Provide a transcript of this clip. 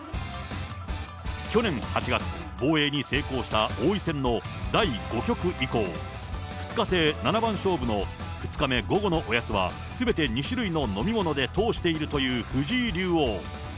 去年８月、防衛に成功した王位戦の第５局以降、２日制七番勝負の２日目午後のおやつは、すべて２種類の飲み物で通しているという藤井竜王。